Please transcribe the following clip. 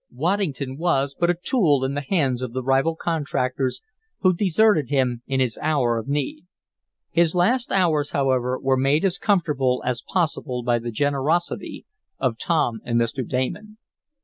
Waddington was but a tool in the hands of the rival contractors, who deserted him in his hour of need. His last hours, however, were made as comfortable as possible by the generosity of Tom and Mr. Damon.